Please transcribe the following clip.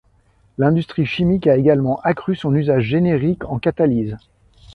L'industrie chimique a également accru son usage générique en catalyse.